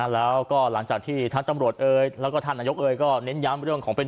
แล้วก็หลังจากที่ทั้งตำรวจเอยแล้วก็ท่านนายกเอยก็เน้นย้ำเรื่องของเป็น